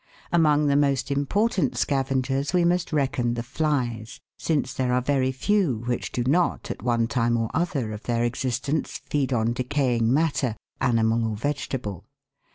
Among the most important scavengers we must reckon the flies, since there are very few which do not, at one time or other of their existence, feed on decaying matter, animal 214 THE WORLD'S LUMBER ROOM. or vegetable.